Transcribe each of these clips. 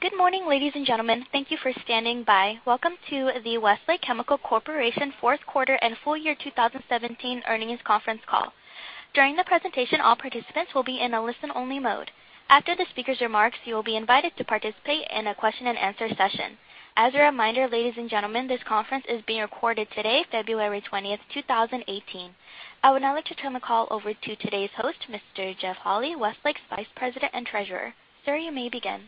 Good morning, ladies and gentlemen. Thank you for standing by. Welcome to the Westlake Chemical Corporation fourth quarter and full year 2017 earnings conference call. During the presentation, all participants will be in a listen-only mode. After the speaker's remarks, you will be invited to participate in a question and answer session. As a reminder, ladies and gentlemen, this conference is being recorded today, February 20th, 2018. I would now like to turn the call over to today's host, Mr. Jeff Holy, Westlake's Vice President and Treasurer. Sir, you may begin.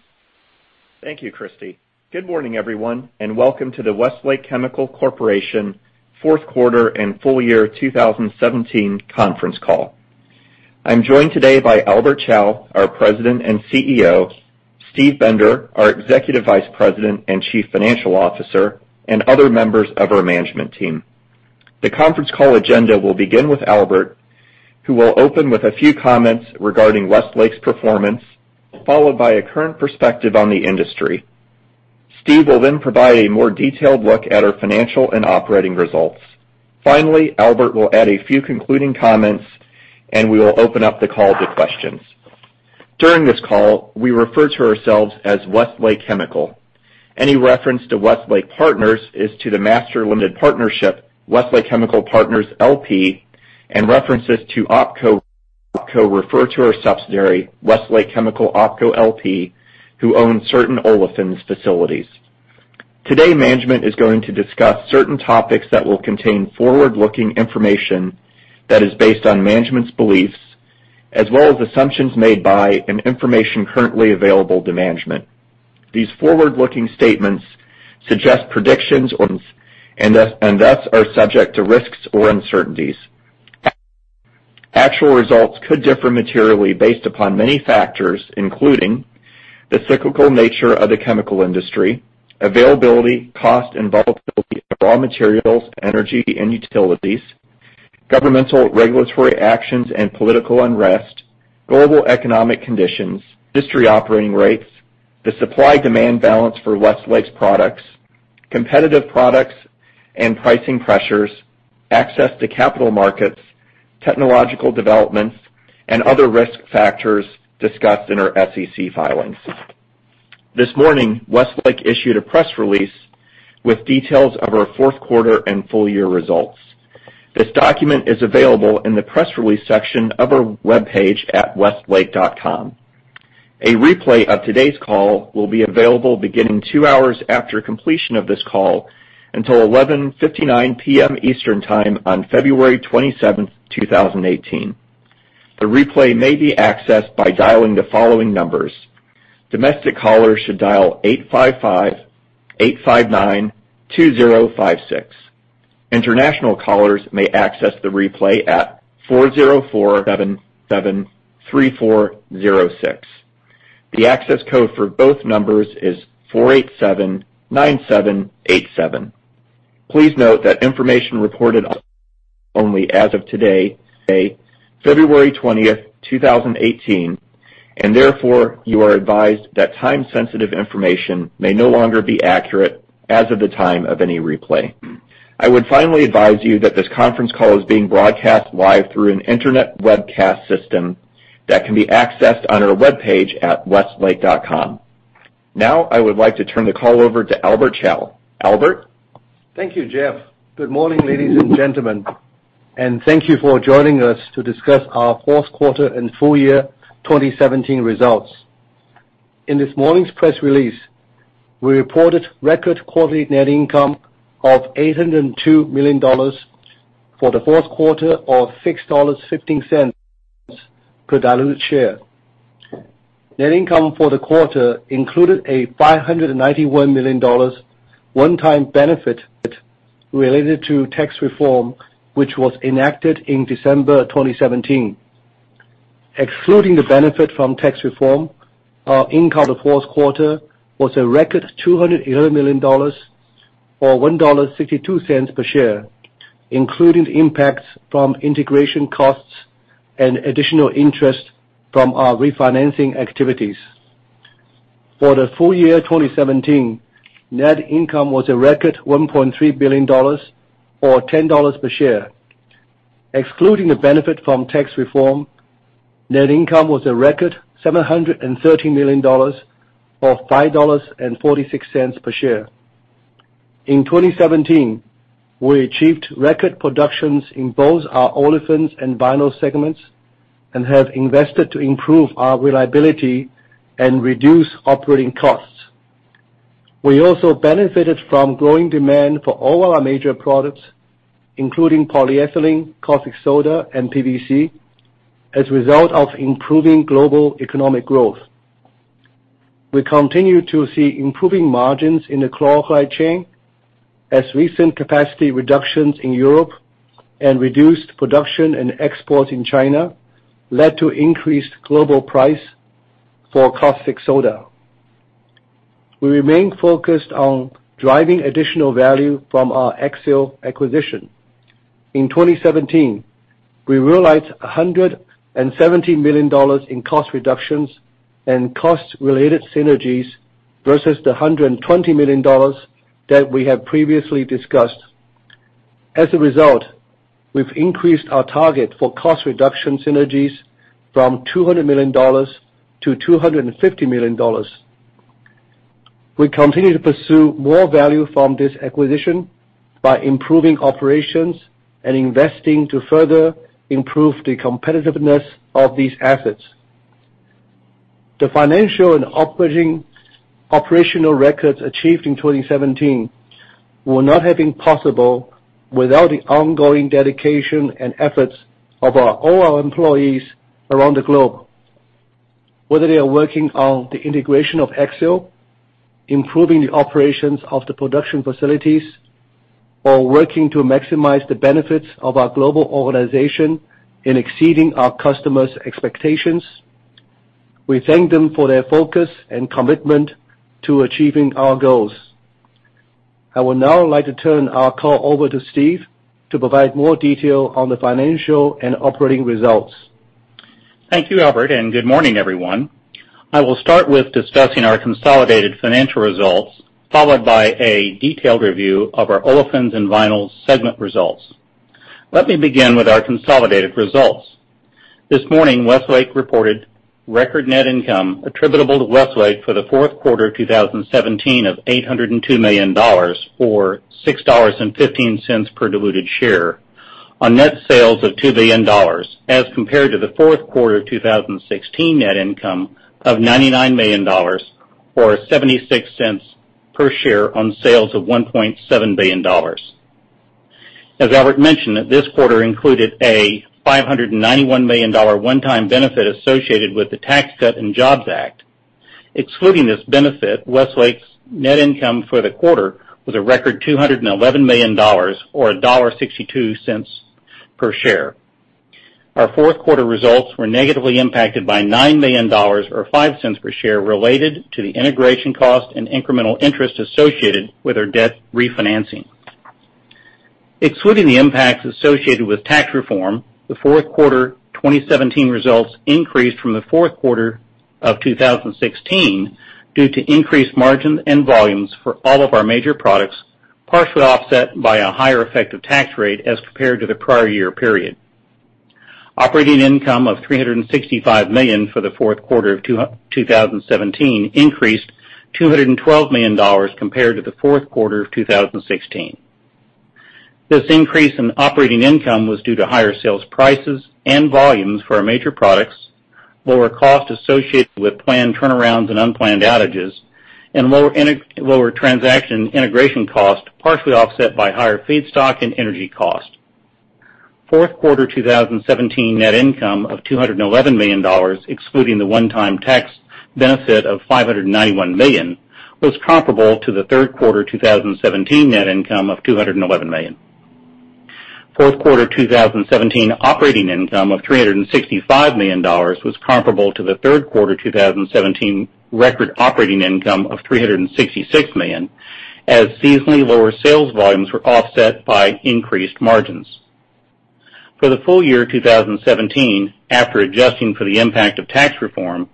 Thank you, Christy. Good morning, everyone, and welcome to the Westlake Chemical Corporation fourth quarter and full year 2017 conference call. I'm joined today by Albert Chao, our President and CEO, Steve Bender, our Executive Vice President and Chief Financial Officer, and other members of our management team. The conference call agenda will begin with Albert, who will open with a few comments regarding Westlake's performance, followed by a current perspective on the industry. Steve will then provide a more detailed look at our financial and operating results. Finally, Albert will add a few concluding comments, and we will open up the call to questions. During this call, we refer to ourselves as Westlake Chemical. Any reference to Westlake Partners is to the master limited partnership, Westlake Chemical Partners, LP, and references to OpCo refer to our subsidiary, Westlake Chemical OpCo LP, who own certain olefins facilities. Today, management is going to discuss certain topics that will contain forward-looking information that is based on management's beliefs as well as assumptions made by and information currently available to management. These forward-looking statements suggest predictions and, thus, are subject to risks or uncertainties. Actual results could differ materially based upon many factors, including the cyclical nature of the chemical industry, availability, cost, and volatility of raw materials, energy, and utilities, governmental regulatory actions and political unrest, global economic conditions, industry operating rates, the supply-demand balance for Westlake's products, competitive products and pricing pressures, access to capital markets, technological developments, and other risk factors discussed in our SEC filings. This morning, Westlake issued a press release with details of our fourth quarter and full year results. This document is available in the press release section of our webpage at westlake.com. A replay of today's call will be available beginning two hours after completion of this call until 11:59 P.M. Eastern Time on February 27th, 2018. The replay may be accessed by dialing the following numbers. Domestic callers should dial 855-859-2056. International callers may access the replay at 404-773-406. The access code for both numbers is 487-97-87. Please note that information reported only as of today, February 20th, 2018, and therefore you are advised that time-sensitive information may no longer be accurate as of the time of any replay. I would finally advise you that this conference call is being broadcast live through an internet webcast system that can be accessed on our webpage at westlake.com. Now, I would like to turn the call over to Albert Chao. Albert? Thank you, Jeff. Good morning, ladies and gentlemen, and thank you for joining us to discuss our fourth quarter and full year 2017 results. In this morning's press release, we reported record quarterly net income of $802 million for the fourth quarter of $6.15 per diluted share. Net income for the quarter included a $591 million one-time benefit related to Tax Cuts and Jobs Act, which was enacted in December 2017. Excluding the benefit from Tax Cuts and Jobs Act, our income the fourth quarter was a record $211 million, or $1.62 per share, including the impacts from integration costs and additional interest from our refinancing activities. For the full year 2017, net income was a record $1.3 billion, or $10 per share. Excluding the benefit from Tax Cuts and Jobs Act, net income was a record $730 million, or $5.46 per share. In 2017, we achieved record productions in both our Olefins and Vinyls segments and have invested to improve our reliability and reduce operating costs. We also benefited from growing demand for all our major products, including polyethylene, caustic soda, and PVC as a result of improving global economic growth. We continue to see improving margins in the chlor-alkali chain as recent capacity reductions in Europe and reduced production and export in China led to increased global price for caustic soda. We remain focused on driving additional value from our Axiall acquisition. In 2017, we realized $117 million in cost reductions and cost-related synergies versus the $120 million that we have previously discussed. As a result, we've increased our target for cost reduction synergies from $200 million to $250 million. We continue to pursue more value from this acquisition by improving operations and investing to further improve the competitiveness of these assets. The financial and operational records achieved in 2017 would not have been possible without the ongoing dedication and efforts of all our employees around the globe. Whether they are working on the integration of Axiall, improving the operations of the production facilities, or working to maximize the benefits of our global organization in exceeding our customers' expectations, we thank them for their focus and commitment to achieving our goals. I would now like to turn our call over to Steve to provide more detail on the financial and operating results. Thank you, Albert, and good morning, everyone. I will start with discussing our consolidated financial results, followed by a detailed review of our Olefins & Vinyls segment results. Let me begin with our consolidated results. This morning, Westlake reported record net income attributable to Westlake for the fourth quarter 2017 of $802 million, or $6.15 per diluted share, on net sales of $2 billion as compared to the fourth quarter 2016 net income of $99 million, or $0.76 per share on sales of $1.7 billion. As Albert mentioned, this quarter included a $591 million one-time benefit associated with the Tax Cuts and Jobs Act. Excluding this benefit, Westlake's net income for the quarter was a record $211 million, or $1.62 per share. Our fourth quarter results were negatively impacted by $9 million, or $0.05 per share, related to the integration cost and incremental interest associated with our debt refinancing. Excluding the impacts associated with tax reform, the fourth quarter 2017 results increased from the fourth quarter of 2016 due to increased margins and volumes for all of our major products, partially offset by a higher effective tax rate as compared to the prior year period. Operating income of $365 million for the fourth quarter of 2017 increased $212 million compared to the fourth quarter of 2016. This increase in operating income was due to higher sales prices and volumes for our major products, lower costs associated with planned turnarounds and unplanned outages, and lower transaction integration cost, partially offset by higher feedstock and energy cost. Fourth quarter 2017 net income of $211 million, excluding the one-time tax benefit of $591 million, was comparable to the third quarter 2017 net income of $211 million. Fourth quarter 2017 operating income of $365 million was comparable to the third quarter 2017 record operating income of $366 million, as seasonally lower sales volumes were offset by increased margins. For the full year 2017, after adjusting for the impact of tax reform,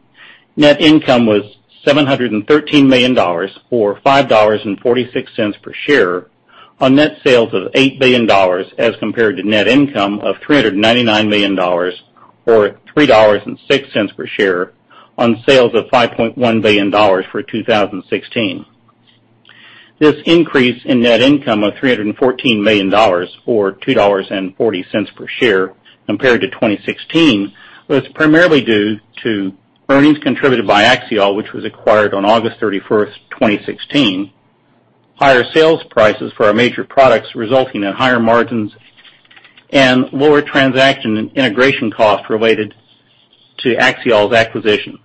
net income was $713 million, or $5.46 per share, on net sales of $8 billion as compared to net income of $399 million, or $3.06 per share on sales of $5.1 billion for 2016. This increase in net income of $314 million or $2.40 per share compared to 2016 was primarily due to earnings contributed by Axiall, which was acquired on August 31st, 2016, higher sales prices for our major products resulting in higher margins, and lower transaction and integration costs related to Axiall's acquisition.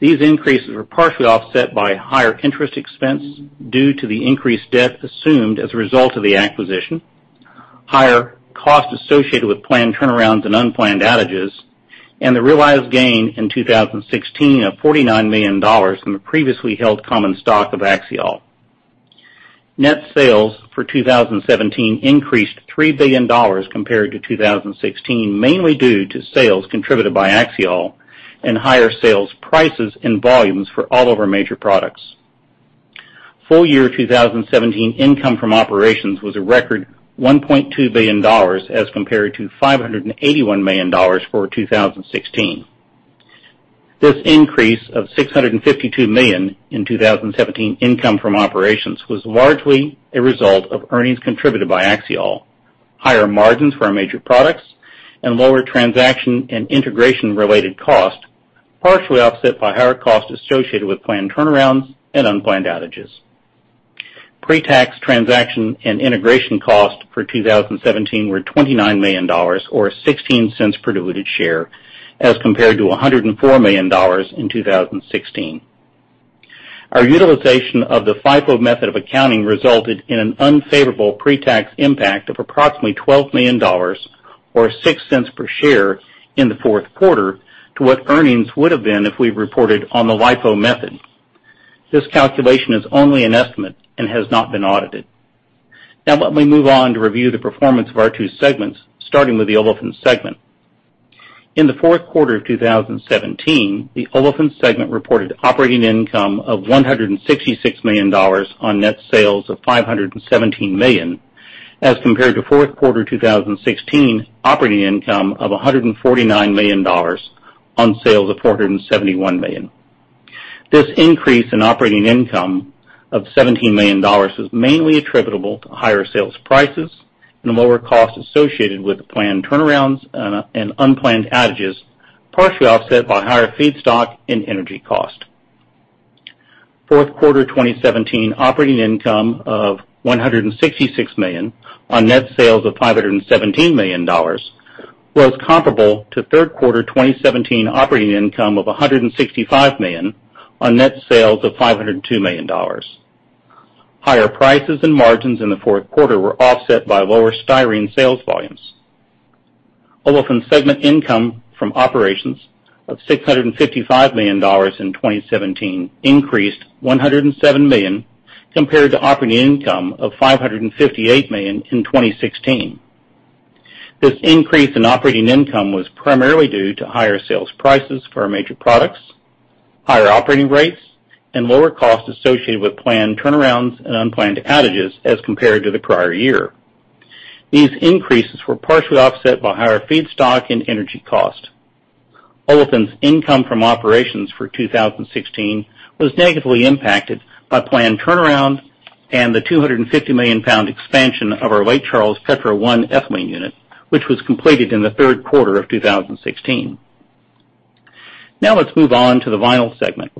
These increases were partially offset by higher interest expense due to the increased debt assumed as a result of the acquisition, higher costs associated with planned turnarounds and unplanned outages, and the realized gain in 2016 of $49 million from the previously held common stock of Axiall. Net sales for 2017 increased $3 billion compared to 2016, mainly due to sales contributed by Axiall and higher sales prices and volumes for all of our major products. Full year 2017 income from operations was a record $1.2 billion as compared to $581 million for 2016. This increase of $652 million in 2017 income from operations was largely a result of earnings contributed by Axiall, higher margins for our major products, and lower transaction and integration related cost, partially offset by higher costs associated with planned turnarounds and unplanned outages. Pre-tax transaction and integration costs for 2017 were $29 million, or $0.16 per diluted share, as compared to $104 million in 2016. Our utilization of the FIFO method of accounting resulted in an unfavorable pre-tax impact of approximately $12 million, or $0.06 per share in the fourth quarter to what earnings would've been if we reported on the LIFO method. This calculation is only an estimate and has not been audited. Now let me move on to review the performance of our two segments, starting with the Olefins segment. In the fourth quarter of 2017, the Olefins segment reported operating income of $166 million on net sales of $517 million, as compared to fourth quarter 2016 operating income of $149 million on sales of $471 million. This increase in operating income of $17 million is mainly attributable to higher sales prices and lower cost associated with the planned turnarounds and unplanned outages, partially offset by higher feedstock and energy cost. Fourth quarter 2017 operating income of $166 million on net sales of $517 million was comparable to third quarter 2017 operating income of $165 million on net sales of $502 million. Higher prices and margins in the fourth quarter were offset by lower styrene sales volumes. Olefins segment income from operations of $655 million in 2017 increased $107 million compared to operating income of $558 million in 2016. This increase in operating income was primarily due to higher sales prices for our major products, higher operating rates, and lower cost associated with planned turnarounds and unplanned outages as compared to the prior year. These increases were partially offset by higher feedstock and energy cost. Olefins income from operations for 2016 was negatively impacted by planned turnaround and the 250 million pound expansion of our Lake Charles Petro 1 ethylene unit, which was completed in the third quarter of 2016. Let's move on to the Vinyls segment.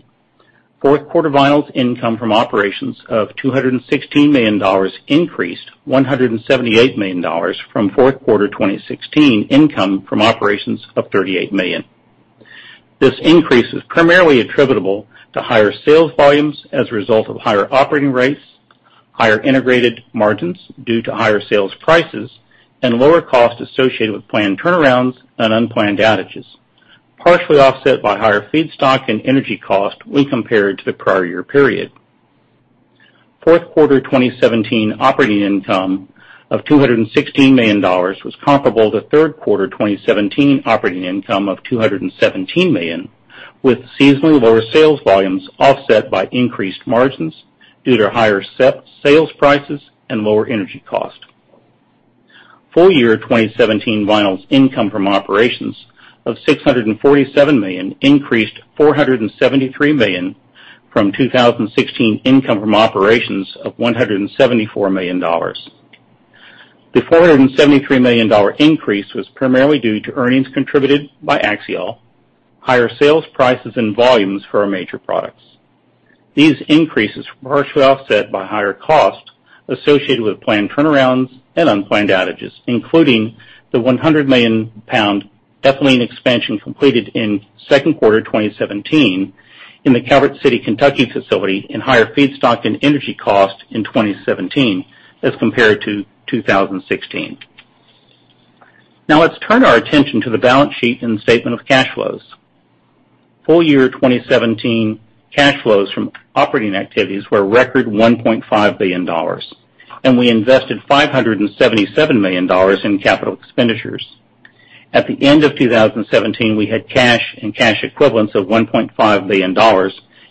Fourth quarter Vinyls income from operations of $216 million increased $178 million from fourth quarter 2016 income from operations of $38 million. This increase is primarily attributable to higher sales volumes as a result of higher operating rates, higher integrated margins due to higher sales prices, and lower cost associated with planned turnarounds and unplanned outages, partially offset by higher feedstock and energy cost when compared to the prior year period. Fourth quarter 2017 operating income of $216 million was comparable to third quarter 2017 operating income of $217 million, with seasonally lower sales volumes offset by increased margins due to higher sales prices and lower energy cost. Full year 2017 Vinyls income from operations of $647 million increased $473 million from 2016 income from operations of $174 million. The $473 million increase was primarily due to earnings contributed by Axiall, higher sales prices, and volumes for our major products. These increases were partially offset by higher costs associated with planned turnarounds and unplanned outages, including the 100 million pound ethylene expansion completed in second quarter 2017 in the Calvert City, Kentucky facility in higher feedstock and energy cost in 2017 as compared to 2016. Let's turn our attention to the balance sheet and statement of cash flows. Full year 2017 cash flows from operating activities were a record $1.5 billion, and we invested $577 million in capital expenditures. At the end of 2017, we had cash and cash equivalents of $1.5 billion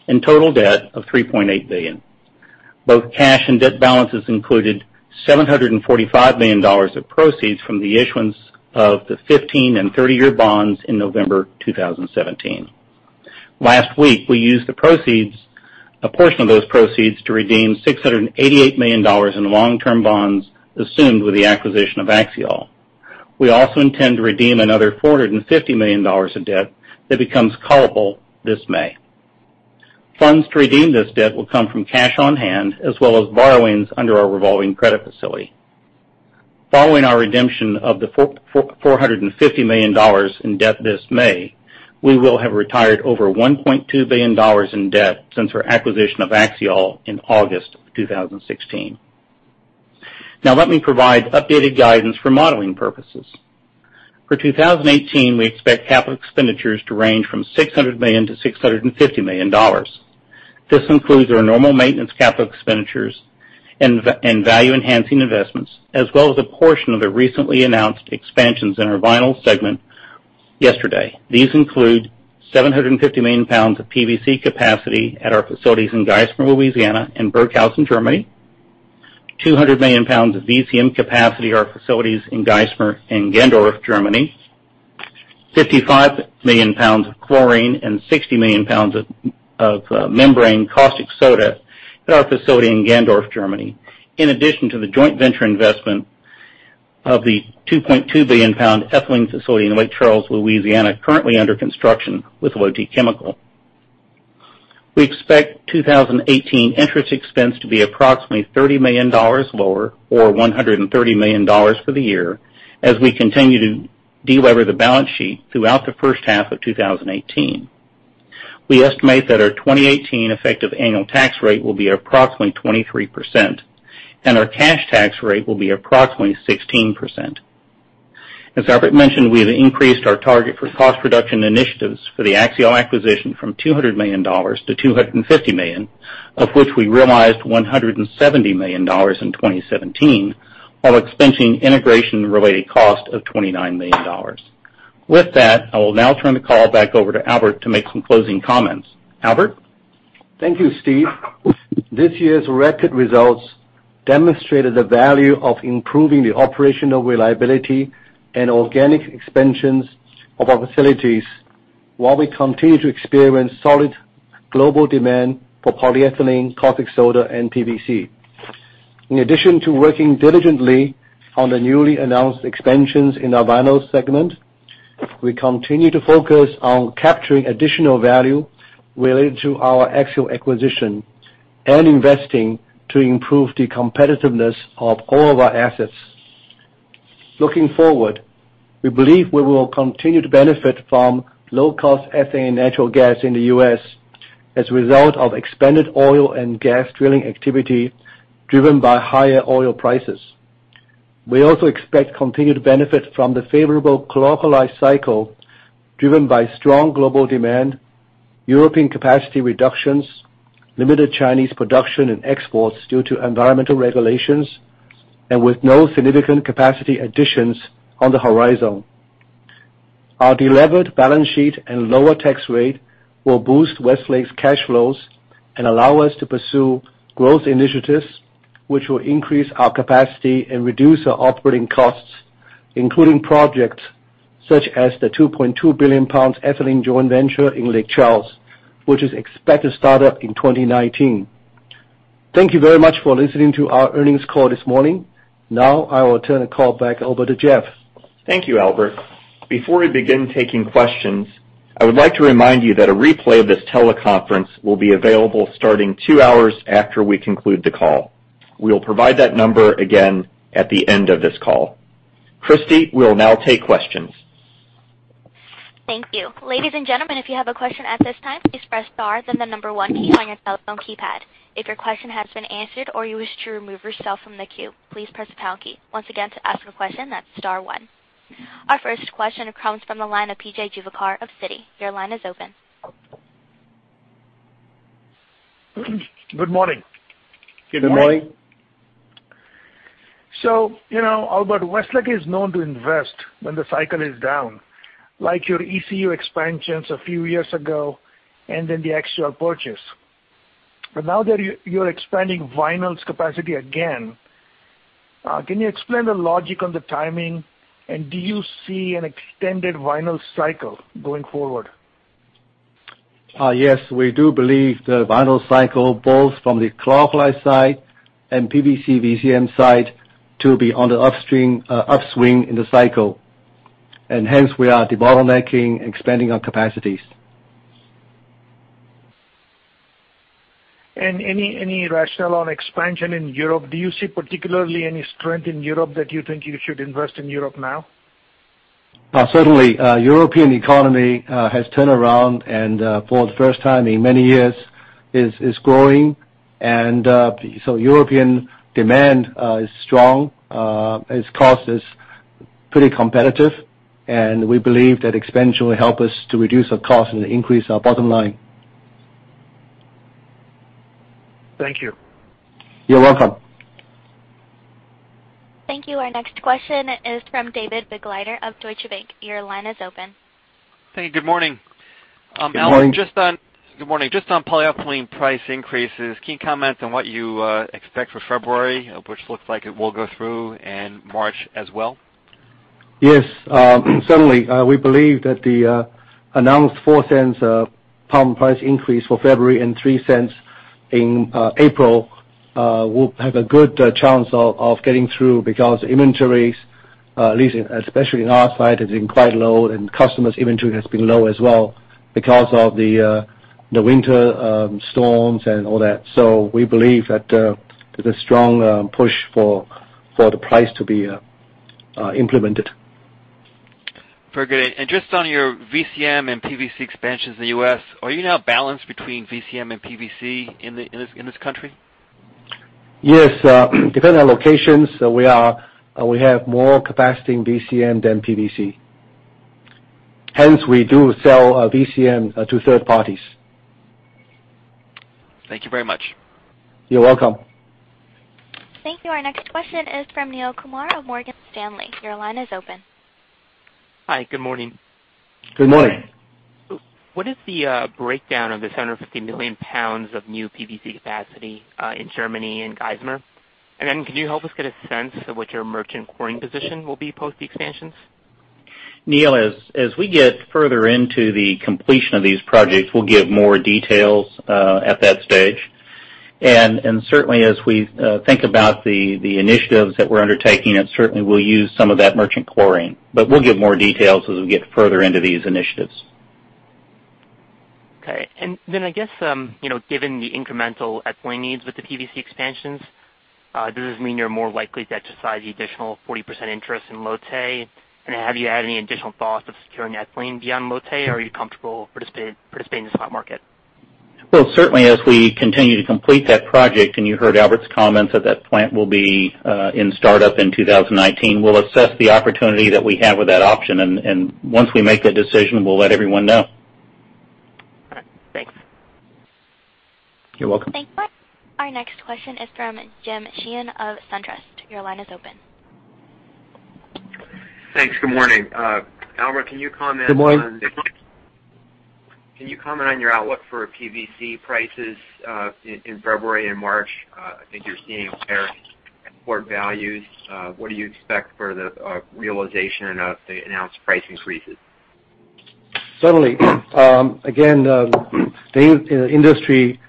and total debt of $3.8 billion. Both cash and debt balances included $745 million of proceeds from the issuance of the 15 and 30-year bonds in November 2017. Last week, we used a portion of those proceeds to redeem $688 million in long-term bonds assumed with the acquisition of Axiall. We also intend to redeem another $450 million of debt that becomes callable this May. Funds to redeem this debt will come from cash on hand as well as borrowings under our revolving credit facility. Following our redemption of the $450 million in debt this May, we will have retired over $1.2 billion in debt since our acquisition of Axiall in August 2016. Let me provide updated guidance for modeling purposes. For 2018, we expect capital expenditures to range from $600 million-$650 million. This includes our normal maintenance capital expenditures and value-enhancing investments, as well as a portion of the recently announced expansions in our Vinyls segment yesterday. These include 750 million pounds of PVC capacity at our facilities in Geismar, Louisiana, and Burghausen, Germany, 200 million pounds of VCM capacity at our facilities in Geismar and Gendorf, Germany, 55 million pounds of chlorine and 60 million pounds of membrane caustic soda at our facility in Gendorf, Germany, in addition to the joint venture investment of the 2.2 billion pound ethylene facility in Lake Charles, Louisiana, currently under construction with Lotte Chemical. We expect 2018 interest expense to be approximately $30 million lower, or $130 million for the year, as we continue to delever the balance sheet throughout the first half of 2018. We estimate that our 2018 effective annual tax rate will be approximately 23%, and our cash tax rate will be approximately 16%. As Albert mentioned, we have increased our target for cost reduction initiatives for the Axiall acquisition from $200 million to $250 million Of which we realized $170 million in 2017, while expensing integration related cost of $29 million. With that, I will now turn the call back over to Albert to make some closing comments. Albert? Thank you, Steve. This year's record results demonstrated the value of improving the operational reliability and organic expansions of our facilities while we continue to experience solid global demand for polyethylene, caustic soda, and PVC. In addition to working diligently on the newly announced expansions in our Vinyls segment, we continue to focus on capturing additional value related to our Axiall acquisition, and investing to improve the competitiveness of all of our assets. Looking forward, we believe we will continue to benefit from low cost ethane natural gas in the U.S. as a result of expanded oil and gas drilling activity driven by higher oil prices. We also expect continued benefit from the favorable chlor-alkali cycle driven by strong global demand, European capacity reductions, limited Chinese production and exports due to environmental regulations, and with no significant capacity additions on the horizon. Our delevered balance sheet and lower tax rate will boost Westlake's cash flows and allow us to pursue growth initiatives, which will increase our capacity and reduce our operating costs, including projects such as the 2.2 billion pounds ethylene joint venture in Lake Charles, which is expected to start up in 2019. Thank you very much for listening to our earnings call this morning. Now I will turn the call back over to Jeff. Thank you, Albert. Before we begin taking questions, I would like to remind you that a replay of this teleconference will be available starting two hours after we conclude the call. We will provide that number again at the end of this call. Christy, we will now take questions. Thank you. Ladies and gentlemen, if you have a question at this time, please press star then the number one key on your telephone keypad. If your question has been answered or you wish to remove yourself from the queue, please press the pound key. Once again, to ask a question, that's star one. Our first question comes from the line of P.J. Juvekar of Citi. Your line is open. Good morning. Good morning. Albert, Westlake is known to invest when the cycle is down, like your ECU expansions a few years ago and then the Axiall purchase. Now that you're expanding vinyls capacity again, can you explain the logic on the timing, and do you see an extended vinyl cycle going forward? Yes, we do believe the vinyl cycle, both from the chlor-alkali side and PVC VCM side to be on the upswing in the cycle. Hence we are bottlenecking expanding our capacities. Any rationale on expansion in Europe? Do you see particularly any strength in Europe that you think you should invest in Europe now? Certainly. European economy has turned around and for the first time in many years is growing. European demand is strong. Its cost is pretty competitive, and we believe that expansion will help us to reduce our cost and increase our bottom line. Thank you. You're welcome. Thank you. Our next question is from David Begleiter of Deutsche Bank. Your line is open. Hey, good morning. Good morning. Good morning. Just on polyethylene price increases, can you comment on what you expect for February, which looks like it will go through in March as well? Yes. Certainly, we believe that the announced $0.04 pound price increase for February and $0.03 in April will have a good chance of getting through because inventories, at least especially in our side, has been quite low, and customers' inventory has been low as well because of the winter storms and all that. We believe that there's a strong push for the price to be implemented. Very good. Just on your VCM and PVC expansions in the U.S., are you now balanced between VCM and PVC in this country? Yes. Depending on locations, we have more capacity in VCM than PVC. Hence, we do sell VCM to third parties. Thank you very much. You're welcome. Thank you. Our next question is from Neel Kumar of Morgan Stanley. Your line is open. Hi, good morning. Good morning. What is the breakdown of the 750 million pounds of new PVC capacity in Germany in Geismar? Can you help us get a sense of what your merchant chlorine position will be post the expansions? Neel, as we get further into the completion of these projects, we'll give more details at that stage. Certainly as we think about the initiatives that we're undertaking, certainly we'll use some of that merchant chlorine. We'll give more details as we get further into these initiatives. Okay. I guess, given the incremental ethylene needs with the PVC expansions, does this mean you're more likely to exercise the additional 40% interest in Lotte? Have you had any additional thoughts of securing ethylene beyond Lotte, or are you comfortable participating in the spot market? Well, certainly as we continue to complete that project, and you heard Albert's comments that that plant will be in startup in 2019, we'll assess the opportunity that we have with that option. Once we make that decision, we'll let everyone know. Thanks. You're welcome. Thank you. Our next question is from Jim Sheehan of SunTrust. Your line is open. Thanks. Good morning. Albert, can you comment? Good morning. Can you comment on your outlook for PVC prices in February and March? I think you're seeing higher import values. What do you expect for the realization of the announced price increases? Certainly. Again, the in-industry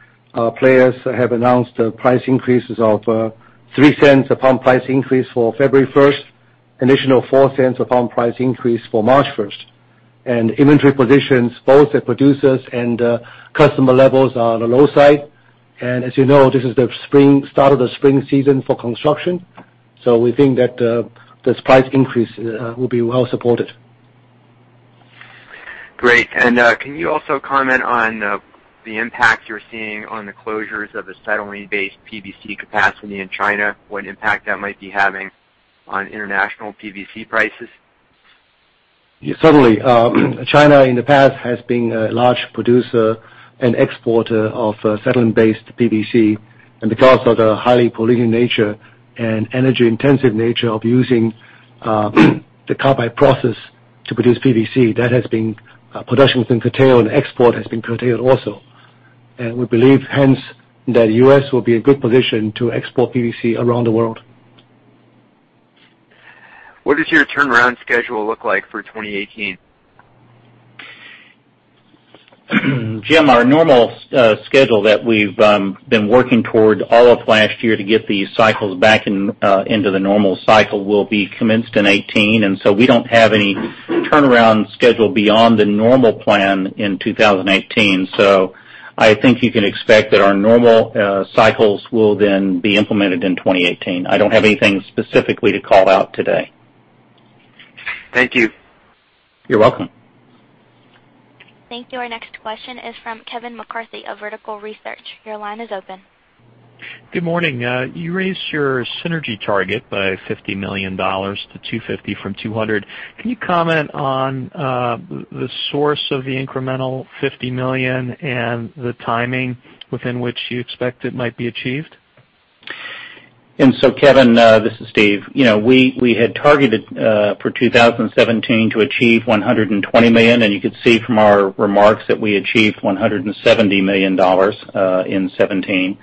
players have announced price increases of $0.03 a pound price increase for February 1st, additional $0.04 a pound price increase for March 1st. Inventory positions, both at producers and customer levels are on the low side. As you know, this is the spring, start of the spring season for construction. We think that this price increase will be well supported. Great. Can you also comment on the impact you're seeing on the closures of acetylene-based PVC capacity in China, what impact that might be having on international PVC prices? Certainly. China, in the past, has been a large producer and exporter of acetylene-based PVC. Because of the highly polluting nature and energy-intensive nature of using the carbide process to produce PVC, that has been production has been curtailed and export has been curtailed also. We believe, hence, that U.S. will be in good position to export PVC around the world. What does your turnaround schedule look like for 2018? Jim, our normal schedule that we've been working toward all of last year to get these cycles back in into the normal cycle will be commenced in 2018. We don't have any turnaround schedule beyond the normal plan in 2018. I think you can expect that our normal cycles will then be implemented in 2018. I don't have anything specifically to call out today. Thank you. You're welcome. Thank you. Our next question is from Kevin McCarthy of Vertical Research. Your line is open. Good morning. You raised your synergy target by $50 million to 250 from 200. Can you comment on the source of the incremental $50 million and the timing within which you expect it might be achieved? Kevin, this is Steve. We had targeted for 2017 to achieve $120 million, and you could see from our remarks that we achieved $170 million in 2017,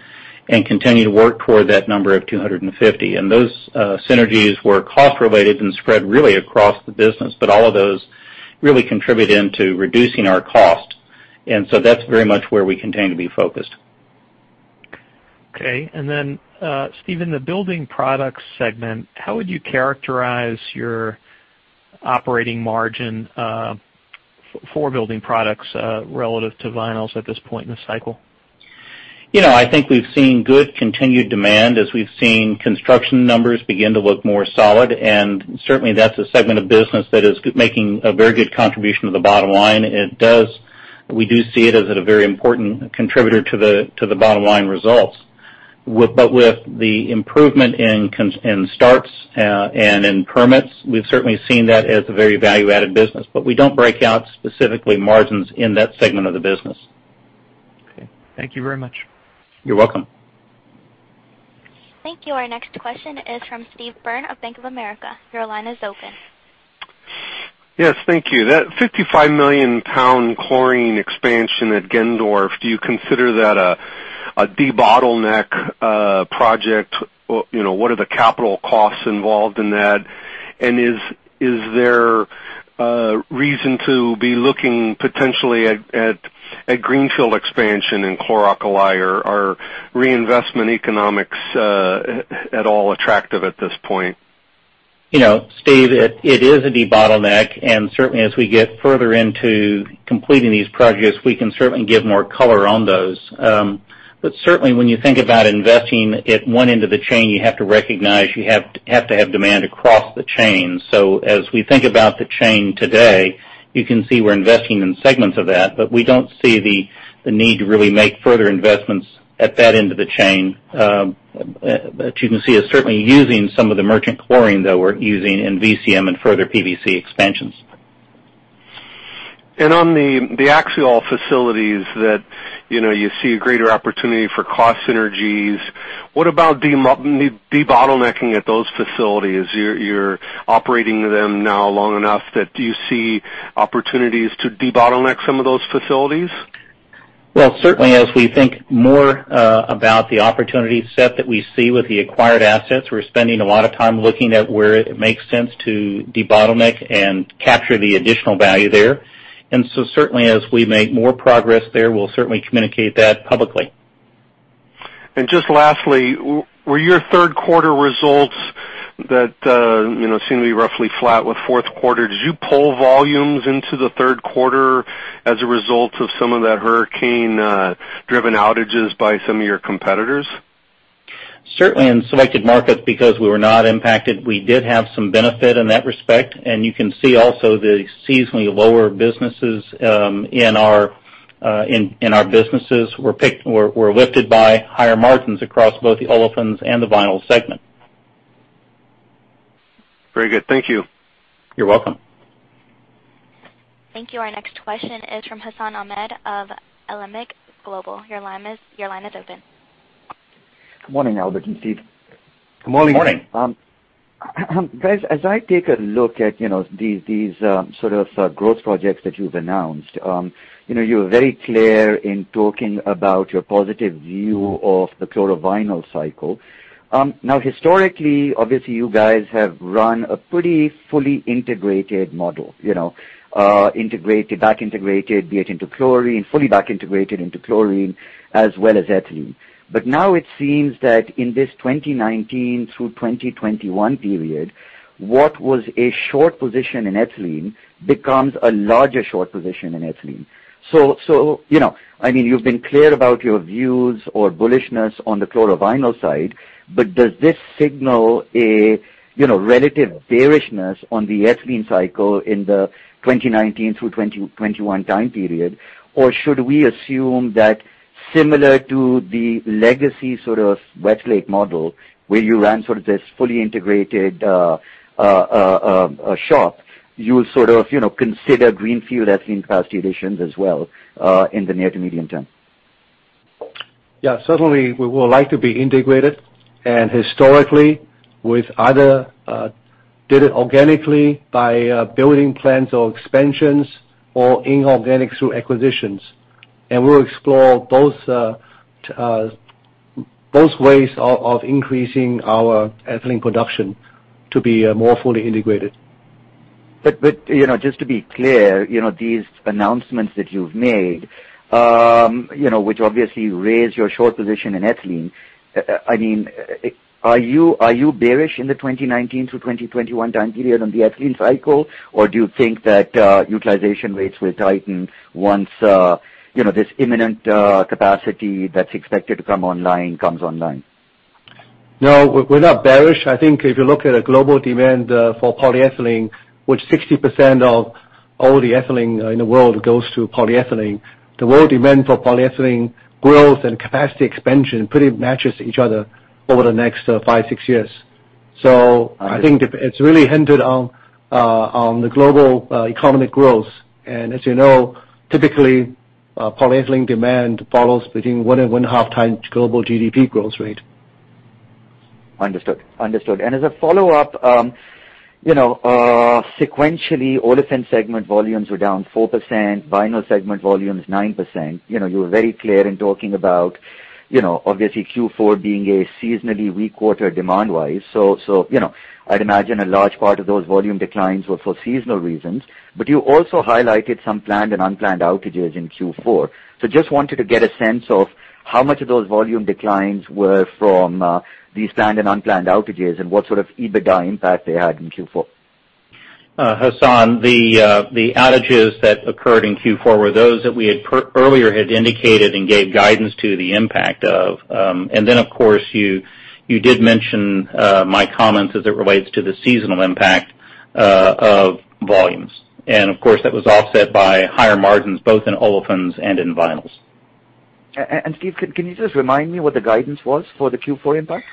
and continue to work toward that number of 250. Those synergies were cost related and spread really across the business, but all of those really contribute into reducing our cost. That's very much where we continue to be focused. Okay. Steve, in the building products segment, how would you characterize your operating margin for building products relative to vinyls at this point in the cycle? I think we've seen good continued demand as we've seen construction numbers begin to look more solid, certainly that's a segment of business that is making a very good contribution to the bottom line. We do see it as at a very important contributor to the, to the bottom line results. With the improvement in construction starts, and in permits, we've certainly seen that as a very value-added business. We don't break out specifically margins in that segment of the business. Okay. Thank you very much. You're welcome. Thank you. Our next question is from Steve Byrne of Bank of America. Your line is open. Yes. Thank you. That 55 million pound chlorine expansion at Gendorf, do you consider that a debottleneck project? What are the capital costs involved in that? Is there a reason to be looking potentially at greenfield expansion in chlor-alkali, or are reinvestment economics at all attractive at this point? Steve, it is a debottleneck. Certainly as we get further into completing these projects, we can certainly give more color on those. Certainly when you think about investing at one end of the chain, you have to recognize you have to have demand across the chain. As we think about the chain today, you can see we're investing in segments of that, but we don't see the need to really make further investments at that end of the chain. You can see us certainly using some of the merchant chlorine that we're using in VCM and further PVC expansions. On the Axiall facilities that, you see a greater opportunity for cost synergies, what about de-debottlenecking at those facilities? You're operating them now long enough that do you see opportunities to debottleneck some of those facilities? Well, certainly as we think more about the opportunity set that we see with the acquired assets, we're spending a lot of time looking at where it makes sense to debottleneck and capture the additional value there. Certainly as we make more progress there, we'll certainly communicate that publicly. Just lastly, were your third quarter results that seem to be roughly flat with fourth quarter, did you pull volumes into the third quarter as a result of some of that hurricane driven outages by some of your competitors? Certainly in selected markets because we were not impacted, we did have some benefit in that respect, and you can see also the seasonally lower businesses, in our, in our businesses were lifted by higher margins across both the olefins and the vinyl segment. Very good. Thank you. You're welcome. Thank you. Our next question is from Hassan Ahmed of Alembic Global. Your line is open. Good morning, Albert and Steve. Good morning. Good morning. Guys, as I take a look at these sort of growth projects that you've announced, you were very clear in talking about your positive view of the chlorovinyl cycle. Now, historically, obviously, you guys have run a pretty fully integrated model. Back integrated, be it into chlorine, fully back integrated into chlorine as well as ethylene. Now it seems that in this 2019 through 2021 period, what was a short position in ethylene becomes a larger short position in ethylene. You've been clear about your views or bullishness on the chlorovinyl side, but does this signal a relative bearishness on the ethylene cycle in the 2019 through 2021 time period? Should we assume that similar to the legacy sort of Westlake model, where you ran sort of this fully integrated shop, you sort of consider greenfield ethylene capacity additions as well in the near to medium term? Yeah. Certainly, we would like to be integrated, historically, with other, did it organically by building plants or expansions or inorganic through acquisitions. We'll explore both ways of increasing our ethylene production to be more fully integrated. Just to be clear, these announcements that you've made which obviously raise your short position in ethylene. Are you bearish in the 2019 through 2021 time period on the ethylene cycle? Or do you think that utilization rates will tighten once this imminent capacity that's expected to come online comes online? No, we're not bearish. I think if you look at a global demand for polyethylene, which 60% of all the ethylene in the world goes to polyethylene. The world demand for polyethylene growth and capacity expansion pretty much matches each other over the next five, six years. I think it's really hindered on the global economic growth. As you know, typically, polyethylene demand follows between one and one half times global GDP growth rate. Understood. As a follow-up, sequentially, olefin segment volumes were down 4%, vinyl segment volumes 9%. You were very clear in talking about obviously Q4 being a seasonally weak quarter demand-wise. I'd imagine a large part of those volume declines were for seasonal reasons. You also highlighted some planned and unplanned outages in Q4. Just wanted to get a sense of how much of those volume declines were from these planned and unplanned outages and what sort of EBITDA impact they had in Q4. Hassan, the outages that occurred in Q4 were those that we had earlier had indicated and gave guidance to the impact of. Then, of course, you did mention my comments as it relates to the seasonal impact of volumes. Of course, that was offset by higher margins, both in olefins and in vinyls. Steve, can you just remind me what the guidance was for the Q4 impact?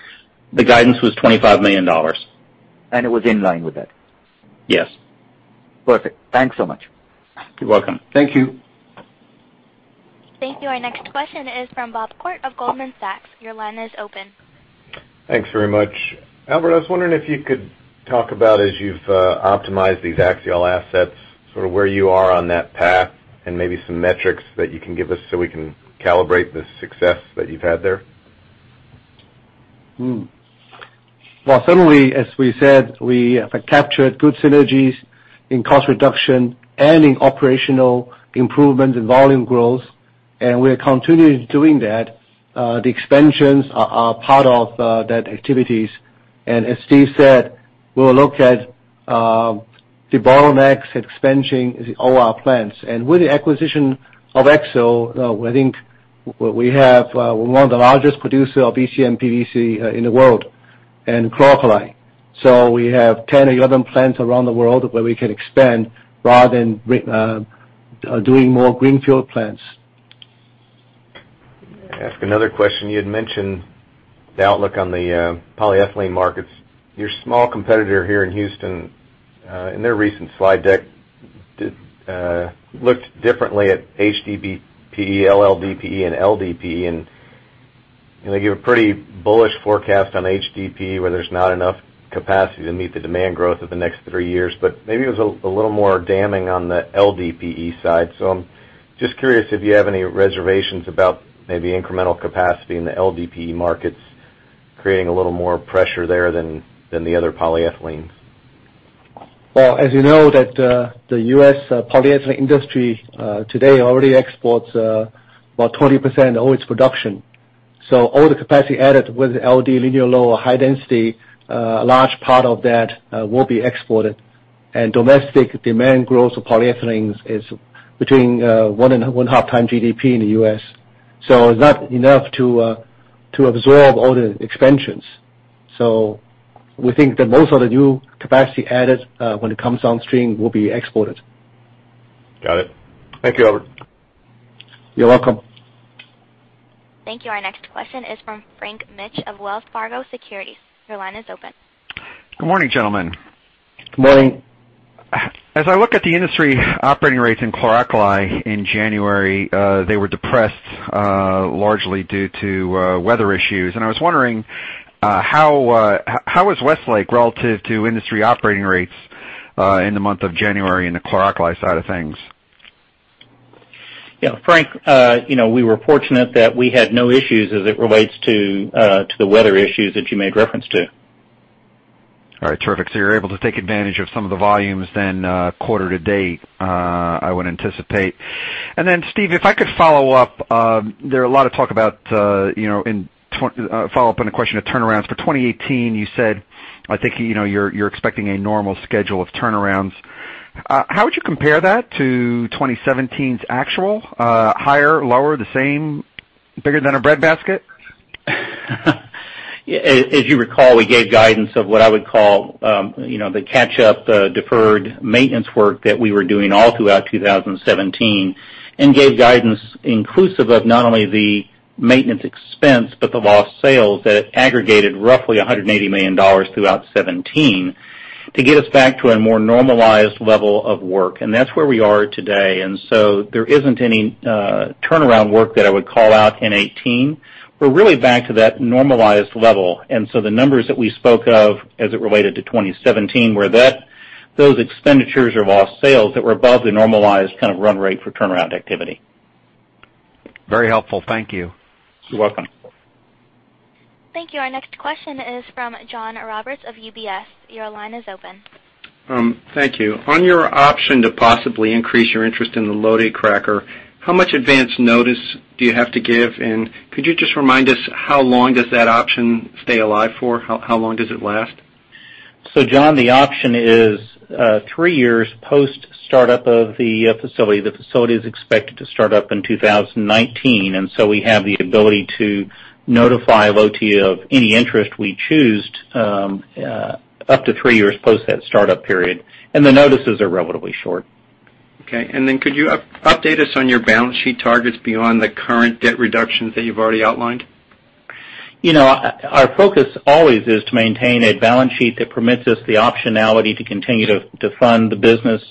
The guidance was $25 million. It was in line with that. Yes. Perfect. Thanks so much. You're welcome. Thank you. Thank you. Our next question is from Bob Koort of Goldman Sachs. Your line is open. Thanks very much. Albert, I was wondering if you could talk about as you've optimized these Axiall assets, sort of where you are on that path and maybe some metrics that you can give us so we can calibrate the success that you've had there. Well, certainly, as we said, we have captured good synergies in cost reduction and in operational improvements in volume growth, we are continuing doing that. The expansions are part of that activities. As Steve said, we will look at the bottlenecks expansion in all our plants. With the acquisition of Axiall, I think we have one of the largest producer of ECU PVC in the world and chlor-alkali. We have 10 or 11 plants around the world where we can expand rather than doing more greenfield plants. Ask another question. You had mentioned the outlook on the polyethylene markets. Your small competitor here in Houston, in their recent slide deck, looked differently at HDPE, LLDPE, and LDPE, they give a pretty bullish forecast on HDPE, where there is not enough capacity to meet the demand growth of the next three years. Maybe it was a little more damning on the LDPE side. I am just curious if you have any reservations about maybe incremental capacity in the LDPE markets creating a little more pressure there than the other polyethylenes. Well, as you know that the U.S. polyethylene industry today already exports about 20% of its production. All the capacity added with LD linear, low or high density, a large part of that will be exported. Domestic demand growth of polyethylenes is between one and one half times GDP in the U.S. It is not enough to absorb all the expansions. We think that most of the new capacity added, when it comes on stream, will be exported. Got it. Thank you, Albert. You're welcome. Thank you. Our next question is from Frank Mitsch of Wells Fargo Securities. Your line is open. Good morning, gentlemen. Good morning. As I look at the industry operating rates in chlor-alkali in January, they were depressed largely due to weather issues. I was wondering how is Westlake relative to industry operating rates in the month of January in the chlor-alkali side of things? Yeah, Frank, we were fortunate that we had no issues as it relates to the weather issues that you made reference to. All right, terrific. You're able to take advantage of some of the volumes then quarter to date, I would anticipate. Steve, if I could follow up. There are a lot of talk about, follow-up on the question of turnarounds. For 2018, you said, I think, you're expecting a normal schedule of turnarounds. How would you compare that to 2017's actual? Higher, lower, the same? Bigger than a breadbasket? As you recall, we gave guidance of what I would call the catch-up deferred maintenance work that we were doing all throughout 2017, gave guidance inclusive of not only the maintenance expense, but the lost sales that aggregated roughly $180 million throughout 2017 to get us back to a more normalized level of work. That's where we are today. There isn't any turnaround work that I would call out in 2018. We're really back to that normalized level. The numbers that we spoke of as it related to 2017, were those expenditures or lost sales that were above the normalized kind of run rate for turnaround activity. Very helpful. Thank you. You're welcome. Thank you. Our next question is from John Roberts of UBS. Your line is open. Thank you. On your option to possibly increase your interest in the Lotte cracker, how much advance notice do you have to give? Could you just remind us how long does that option stay alive for? How long does it last? John, the option is three years post startup of the facility. The facility is expected to start up in 2019, we have the ability to notify Lotte of any interest we choose up to three years post that startup period. The notices are relatively short. Okay. Could you update us on your balance sheet targets beyond the current debt reductions that you've already outlined? Our focus always is to maintain a balance sheet that permits us the optionality to continue to fund the business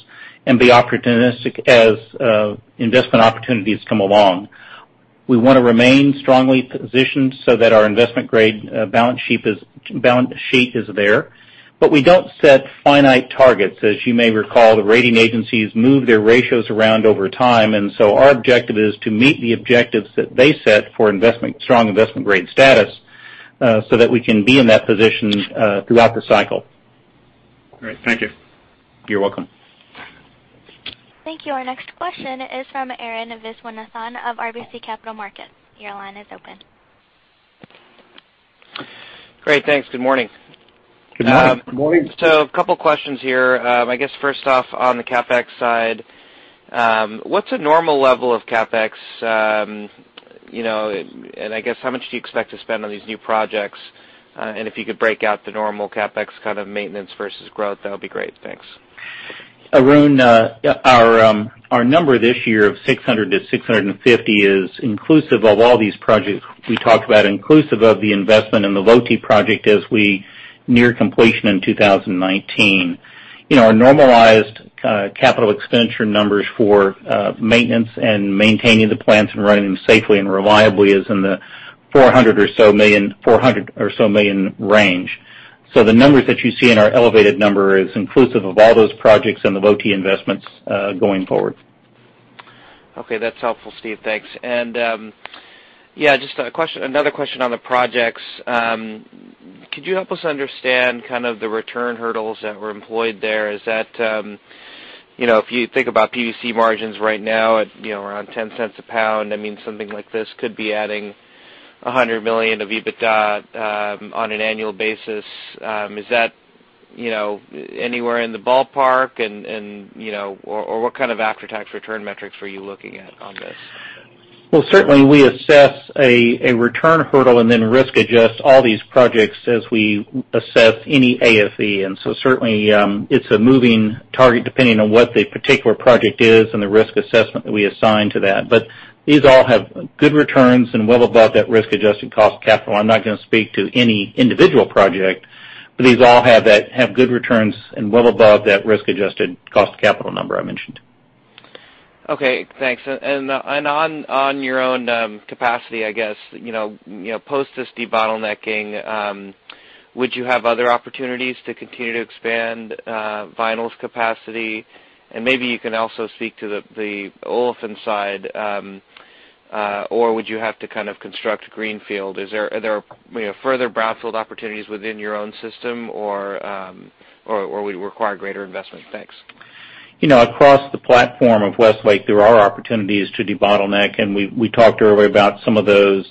and be opportunistic as investment opportunities come along. We want to remain strongly positioned so that our investment grade balance sheet is there. We don't set finite targets. As you may recall, the rating agencies move their ratios around over time, our objective is to meet the objectives that they set for strong investment grade status, so that we can be in that position throughout the cycle. All right. Thank you. You're welcome. Thank you. Our next question is from Arun Viswanathan of RBC Capital Markets. Your line is open. Great. Thanks. Good morning. Good morning. A couple questions here. I guess first off on the CapEx side. What's a normal level of CapEx? I guess how much do you expect to spend on these new projects? If you could break out the normal CapEx kind of maintenance versus growth, that would be great. Thanks. Arun, our number this year of $600 million-$650 million is inclusive of all these projects we talked about, inclusive of the investment in the Lotte project as we near completion in 2019. Our normalized capital expenditure numbers for maintenance and maintaining the plants and running them safely and reliably is in the $400 million range. The numbers that you see in our elevated number is inclusive of all those projects and the Lotte investments going forward. Okay. That's helpful, Steve. Thanks. Just another question on the projects. Could you help us understand kind of the return hurdles that were employed there? If you think about PVC margins right now at around $0.10 a pound, something like this could be adding $100 million of EBITDA on an annual basis. Is that anywhere in the ballpark? What kind of after-tax return metrics were you looking at on this? Well, certainly we assess a return hurdle and then risk adjust all these projects as we assess any AFE. Certainly, it's a moving target depending on what the particular project is and the risk assessment that we assign to that. These all have good returns and well above that risk-adjusted cost of capital. I'm not going to speak to any individual project, these all have good returns and well above that risk-adjusted cost of capital number I mentioned. Okay, thanks. On your own capacity, I guess, post this debottlenecking, would you have other opportunities to continue to expand vinyls capacity? Maybe you can also speak to the olefin side. Would you have to kind of construct greenfield? Are there further brownfield opportunities within your own system or would require greater investment? Thanks. Across the platform of Westlake, there are opportunities to debottleneck, and we talked earlier about some of those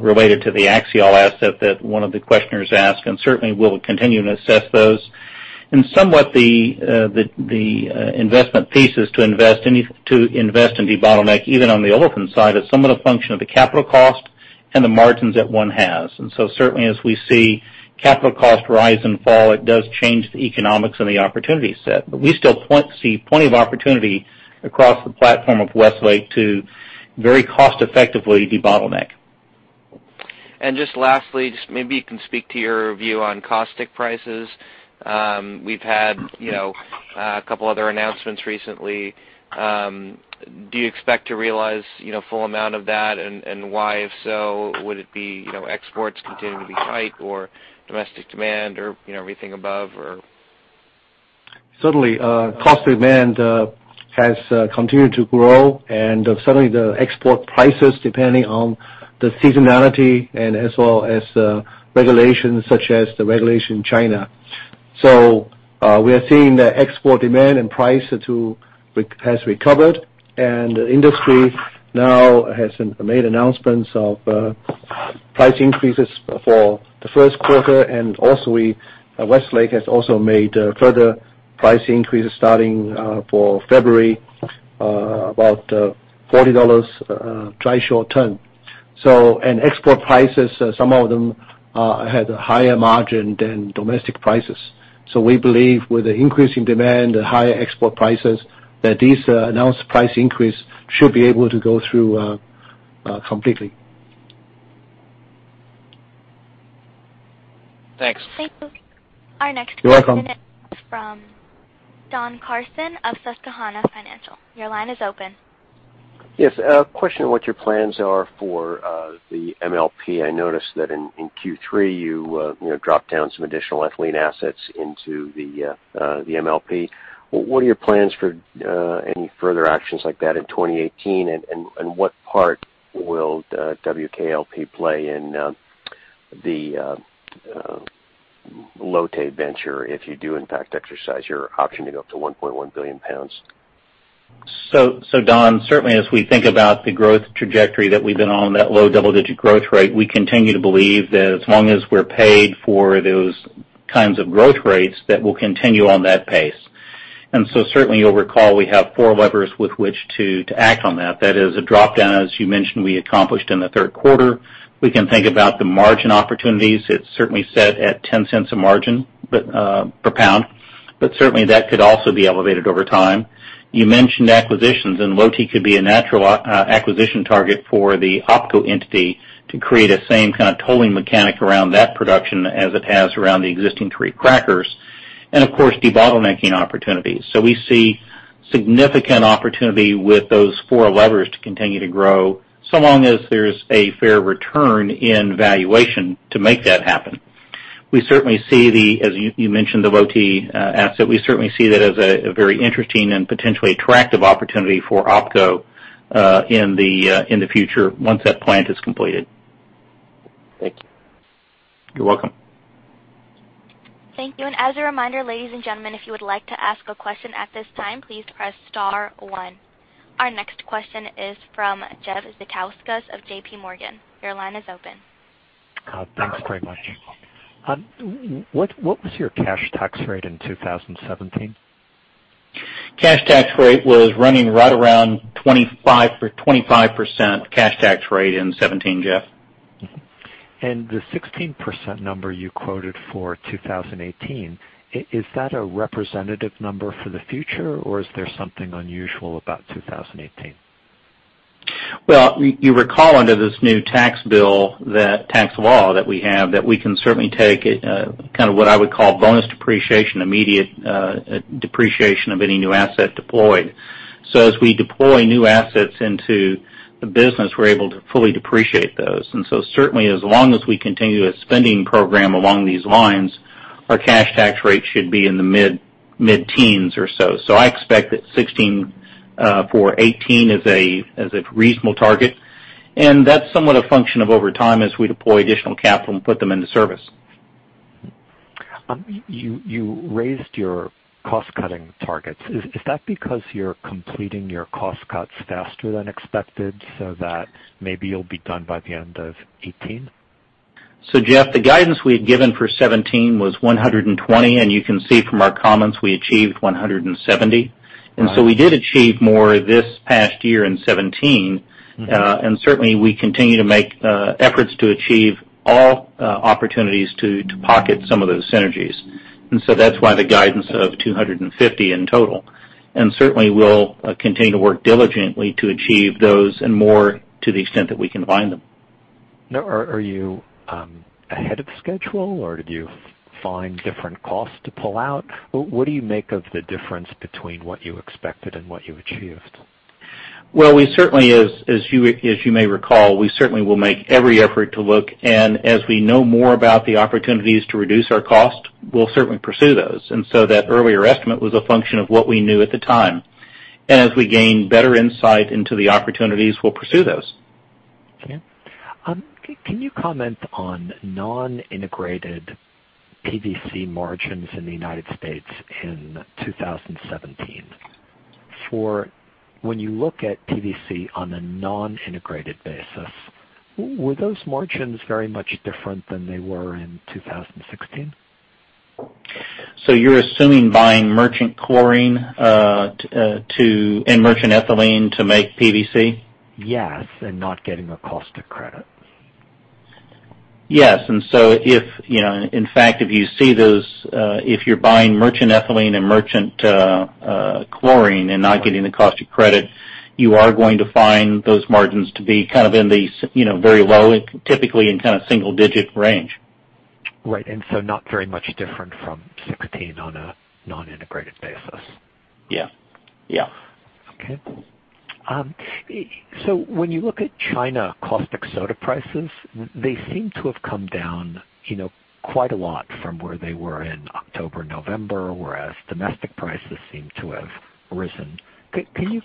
related to the Axiall asset that one of the questioners asked, certainly the investment thesis to invest and debottleneck, even on the olefin side, is somewhat a function of the capital cost and the margins that one has. Certainly, as we see capital cost rise and fall, it does change the economics and the opportunity set. We still see plenty of opportunity across the platform of Westlake to very cost effectively debottleneck. Just lastly, just maybe you can speak to your view on caustic prices. We've had a couple other announcements recently. Do you expect to realize full amount of that? Why? If so, would it be exports continuing to be tight or domestic demand or everything above or? Certainly. Caustic demand has continued to grow, and certainly the export prices, depending on the seasonality and as well as regulations such as the regulation in China. We are seeing the export demand and price too, has recovered, and the industry now has made announcements of price increases for the first quarter. Also, Westlake has also made further price increases starting for February, about $40 dry short ton. Export prices, some of them had a higher margin than domestic prices. We believe with the increasing demand, the higher export prices, that these announced price increase should be able to go through completely. Thanks. Thank you. You're welcome. Our next question is from Don Carson of Susquehanna Financial. Your line is open. Yes. A question on what your plans are for the MLP. I noticed that in Q3, you dropped down some additional ethylene assets into the MLP. What are your plans for any further actions like that in 2018, and what part will WLKP play in the Lotte venture if you do in fact exercise your option to go up to 1.1 billion pounds? Don, certainly as we think about the growth trajectory that we've been on, that low double-digit growth rate, we continue to believe that as long as we're paid for those kinds of growth rates, that we'll continue on that pace. Certainly you'll recall we have four levers with which to act on that. That is a dropdown, as you mentioned, we accomplished in the third quarter. We can think about the margin opportunities. It's certainly set at $0.10 a margin per pound. Certainly, that could also be elevated over time. You mentioned acquisitions. Lotte could be a natural acquisition target for the OpCo entity to create a same kind of tolling mechanic around that production as it has around the existing three crackers. Of course, debottlenecking opportunities. We see significant opportunity with those four levers to continue to grow, so long as there's a fair return in valuation to make that happen. As you mentioned, the Lotte asset, we certainly see that as a very interesting and potentially attractive opportunity for OpCo in the future once that plant is completed. Thank you. You're welcome. Thank you. As a reminder, ladies and gentlemen, if you would like to ask a question at this time, please press star one. Our next question is from Jeff Zekauskas of J.P. Morgan. Your line is open. Thanks very much. What was your cash tax rate in 2017? Cash tax rate was running right around 25% cash tax rate in 2017, Jeff. The 16% number you quoted for 2018, is that a representative number for the future, or is there something unusual about 2018? You recall under this new Tax Law that we have, that we can certainly take kind of what I would call bonus depreciation, immediate depreciation of any new asset deployed. As we deploy new assets into the business, we're able to fully depreciate those. Certainly, as long as we continue a spending program along these lines, our cash tax rate should be in the mid-teens or so. I expect that 16 for 2018 is a reasonable target. That's somewhat a function of over time as we deploy additional capital and put them into service. You raised your cost-cutting targets. Is that because you're completing your cost cuts faster than expected so that maybe you'll be done by the end of 2018? Jeff, the guidance we had given for 2017 was 120, you can see from our comments we achieved 170. Right. We did achieve more this past year in 2017. Certainly, we continue to make efforts to achieve all opportunities to pocket some of those synergies. That's why the guidance of $250 in total. Certainly, we'll continue to work diligently to achieve those and more to the extent that we can find them. Now, are you ahead of schedule, or did you find different costs to pull out? What do you make of the difference between what you expected and what you achieved? Well, as you may recall, we certainly will make every effort to look, and as we know more about the opportunities to reduce our cost, we'll certainly pursue those. That earlier estimate was a function of what we knew at the time. As we gain better insight into the opportunities, we'll pursue those. Okay. Can you comment on non-integrated PVC margins in the United States in 2017? For when you look at PVC on a non-integrated basis, were those margins very much different than they were in 2016? You're assuming buying merchant chlorine and merchant ethylene to make PVC? Yes, not getting a cost of credit. Yes. In fact, if you're buying merchant ethylene and merchant chlorine and not getting the cost of credit, you are going to find those margins to be very low, typically in single-digit range. Right. Not very much different from 2016 on a non-integrated basis. Yeah. Okay. When you look at China caustic soda prices, they seem to have come down quite a lot from where they were in October, November, whereas domestic prices seem to have risen. Can you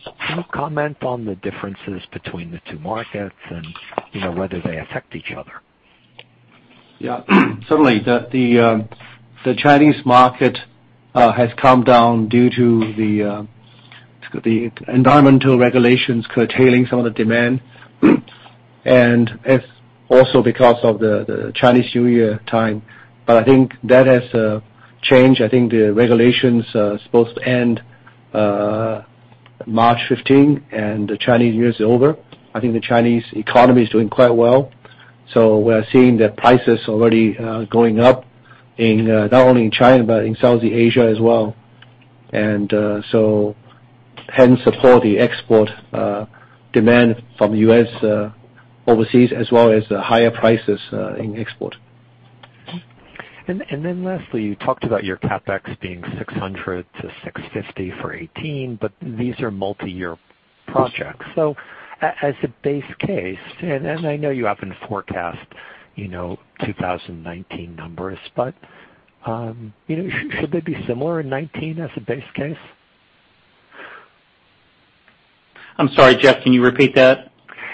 comment on the differences between the two markets and whether they affect each other? Yeah. Certainly, the Chinese market has come down due to the environmental regulations curtailing some of the demand. Also because of the Chinese New Year time. I think that has changed. I think the regulations are supposed to end March 15, and the Chinese New Year is over. I think the Chinese economy is doing quite well. We are seeing the prices already going up, not only in China, but in Southeast Asia as well. Hence support the export demand from U.S. overseas as well as the higher prices in export. Lastly, you talked about your CapEx being $600 to $650 for 2018, these are multi-year projects. As a base case, and I know you often forecast 2019 numbers, should they be similar in 2019 as a base case? I'm sorry, Jeff, can you repeat that?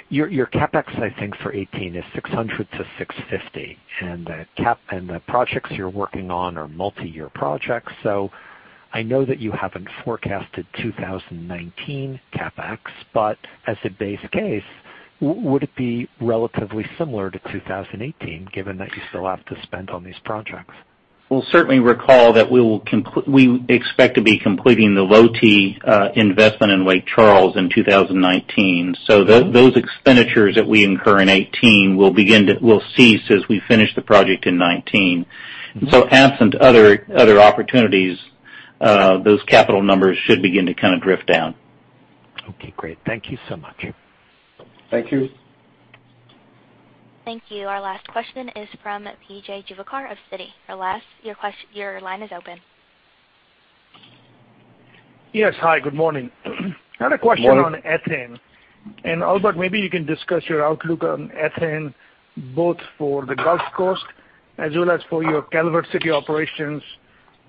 Your CapEx, I think for 2018 is $600-$650, and the projects you're working on are multi-year projects. I know that you haven't forecasted 2019 CapEx, but as a base case, would it be relatively similar to 2018 given that you still have to spend on these projects? We'll certainly recall that we expect to be completing the Lotte investment in Lake Charles in 2019. Those expenditures that we incur in 2018 will cease as we finish the project in 2019. Absent other opportunities, those capital numbers should begin to kind of drift down. Okay, great. Thank you so much. Thank you. Thank you. Our last question is from Vijay Juvekar of Citi. Your line is open. Yes. Hi, good morning. Good morning. I had a question on ethane. Albert, maybe you can discuss your outlook on ethane, both for the Gulf Coast as well as for your Calvert City operations,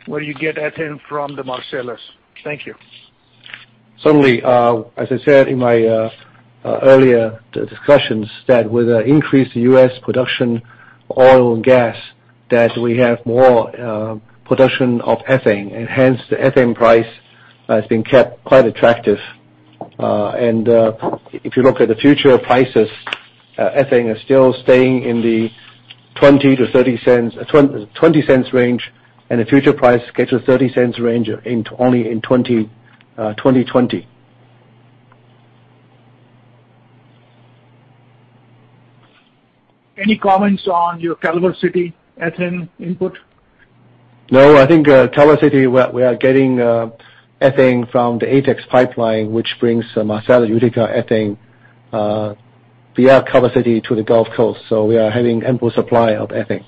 where you get ethane from the Marcellus. Thank you. Certainly. As I said in my earlier discussions, that with the increased U.S. production oil and gas, that we have more production of ethane, hence the ethane price has been kept quite attractive. If you look at the future prices, ethane is still staying in the $0.20-$0.30, $0.20 range, the future price gets to $0.30 range only in 2020. Any comments on your Calvert City ethane input? No, I think Calvert City, we are getting ethane from the ATEX pipeline, which brings the Marcellus Utica ethane via Calvert City to the Gulf Coast. We are having ample supply of ethane.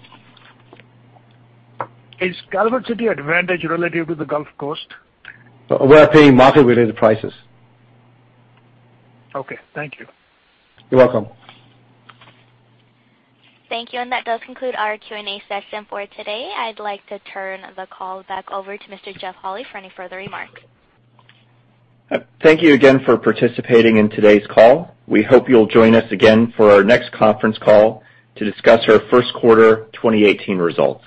Is Calvert City advantage relative to the Gulf Coast? We are paying market-related prices. Okay. Thank you. You're welcome. Thank you. That does conclude our Q&A session for today. I'd like to turn the call back over to Mr. Jeff Holy for any further remarks. Thank you again for participating in today's call. We hope you'll join us again for our next conference call to discuss our first quarter 2018 results.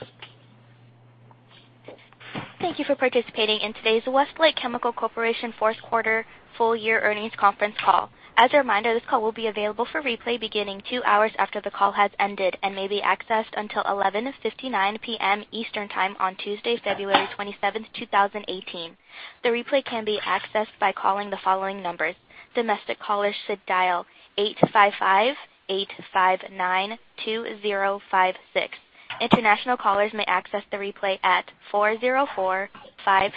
Thank you for participating in today's Westlake Chemical Corporation fourth quarter full year earnings conference call. As a reminder, this call will be available for replay beginning two hours after the call has ended and may be accessed until 11:59 P.M. Eastern Time on Tuesday, February 27th, 2018. The replay can be accessed by calling the following numbers. Domestic callers should dial 855-859-2056. International callers may access the replay at 404-593